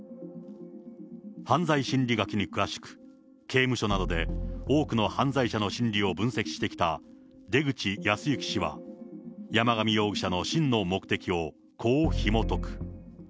犯罪心理学に詳しく、刑務所などで多くの犯罪者の心理を分析してきた出口保行氏は、山上容疑者の真の目的をこうひもとく。